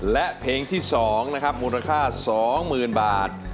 และเพลงที่สองนะครับมูลค่าสองหมื่นบาท